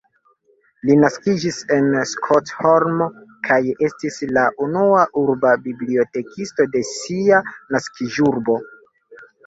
Li naskiĝis en Stokholmo kaj estis la unua urba bibliotekisto de sia naskiĝurbo.